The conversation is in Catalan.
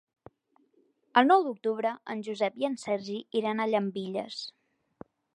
El nou d'octubre en Josep i en Sergi iran a Llambilles.